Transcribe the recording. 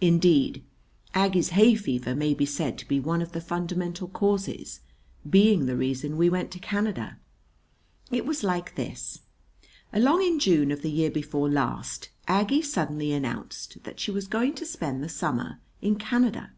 Indeed, Aggie's hay fever may be said to be one of the fundamental causes, being the reason we went to Canada. It was like this: Along in June of the year before last, Aggie suddenly announced that she was going to spend the summer in Canada.